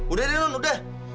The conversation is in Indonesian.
udah deh non udah